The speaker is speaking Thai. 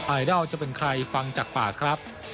ไอดอลจะเป็นใครฟังจากปากครับ